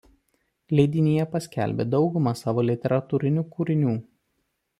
Leidinyje paskelbė daugumą savo literatūrinių kūrinių.